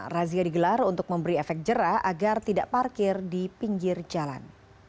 razia digelar untuk memberi efek jerah agar tidak parkir di pinggir jalan